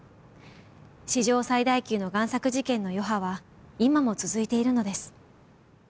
史上最大級の贋作事件の余波は今も続いているのです。